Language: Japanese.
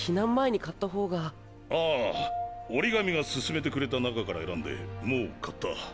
ああ折紙が薦めてくれた中から選んでもう買った。